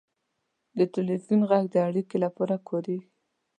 • د ټلیفون ږغ د اړیکې لپاره کارېږي.